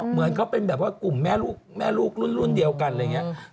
เหมือนเขาเป็นแบบว่ากลุ่มแม่ลูกแม่ลูกรุ่นเดียวกันอะไรอย่างนี้